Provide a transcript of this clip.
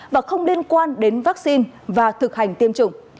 và không liên quan đến vaccine và thực hành tiêm chủng